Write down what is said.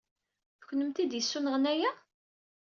D kennemti ay d-yessunɣen aya?